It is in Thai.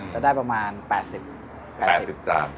จะได้ประมาณ๘๐จานได้ครับผม